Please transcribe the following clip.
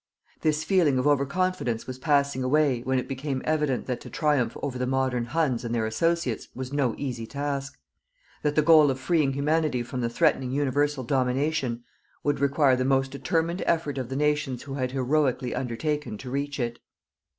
This feeling of over confidence was passing away, when it became evident that to triumph over the modern huns and their associates was no easy task; that the goal of freeing humanity from the threatening universal domination would require the most determined effort of the nations who had heroically undertaken to reach it.